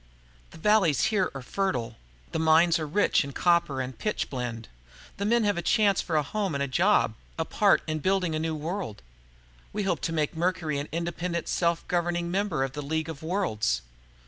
"The valleys here are fertile. There are mines rich in copper and pitchblende. The men have a chance for a home and a job, a part in building a new world. We hope to make Mercury an independent, self governing member of the League of Worlds."